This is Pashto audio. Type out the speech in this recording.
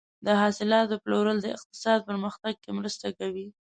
د حاصلاتو پلور د اقتصاد پرمختګ کې مرسته کوي.